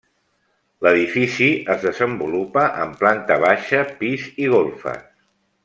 L'edifici es desenvolupa en planta baixa, pis i golfes.